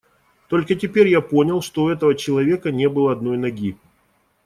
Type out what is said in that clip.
Только теперь я понял, что у этого человека не было одной ноги.